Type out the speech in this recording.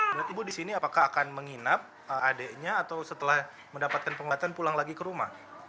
berarti ibu di sini apakah akan menginap adiknya atau setelah mendapatkan pengobatan pulang lagi ke rumah